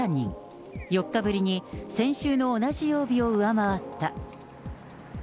４日ぶりに先週の同じ曜日を上回った。